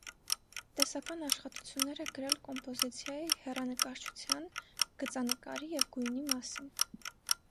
Տեսական աշխատություններ է գրել կոմպոզիցիայի, հեռանկարչության, գծանկարի և գույնի մասին։